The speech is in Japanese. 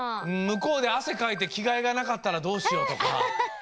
むこうであせかいてきがえがなかったらどうしようとか。